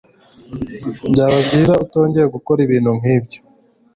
Byaba byiza utongeye gukora ibintu nkibyo.